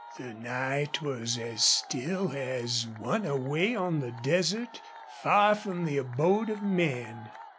The night was as still as one away on the desert far from the abode of men.